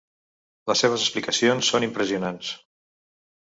Les seves explicacions són impressionants.